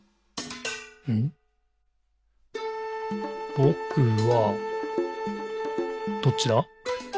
「ぼくは、」どっちだ？